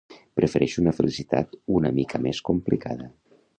Prefereixo una felicitat una mica més complicada.